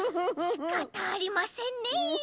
しかたありませんねえ。